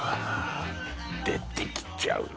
出てきちゃうの？